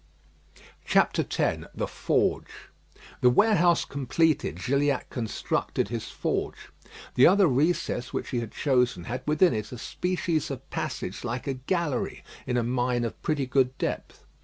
X THE FORGE The warehouse completed, Gilliatt constructed his forge. The other recess which he had chosen had within it a species of passage like a gallery in a mine of pretty good depth.